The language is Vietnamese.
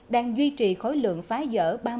đang duy trì khối lượng phá dở